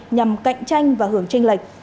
nhằm cạnh tranh và hưởng tranh lệch